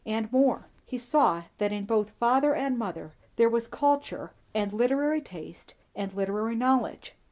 And more; he saw that in both father and mother there was culture and literary taste and literary knowledge.